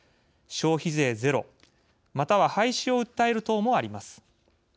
消費税ゼロまたは廃止を訴える党もあります。